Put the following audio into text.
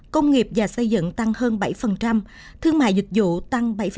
công nghiệp và xây dựng tăng hơn bảy thương mại dịch vụ tăng bảy tám